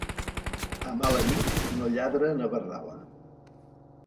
A mala nit no lladra na Verdala.